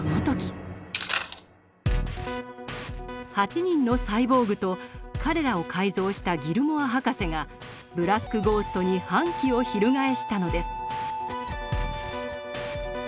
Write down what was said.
８人のサイボーグと彼らを改造したギルモア博士がブラック・ゴーストに反旗を翻したのです。